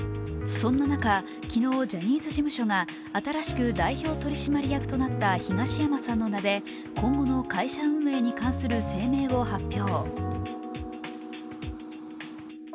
そんな中、昨日、ジャニーズ事務所が新しく代表取締役となった東山さんの名で今後の会社運営に関する声明を発表。